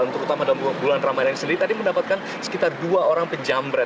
terutama dalam bulan ramadan sendiri tadi mendapatkan sekitar dua orang penjambret